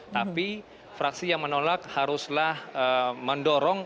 tapi fraksi yang menolak haruslah mendorong